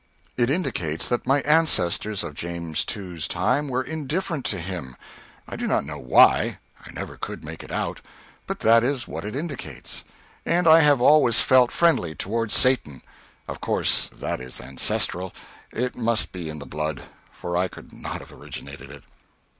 It indicates that my ancestors of James II's time were indifferent to him; I do not know why; I never could make it out; but that is what it indicates. And I have always felt friendly toward Satan. Of course that is ancestral; it must be in the blood, for I could not have originated it.